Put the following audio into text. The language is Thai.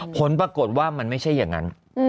ผลปรากฏว่ามันไม่ใช่อย่างนั้น